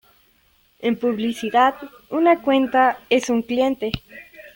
En publicidad una cuenta es un cliente.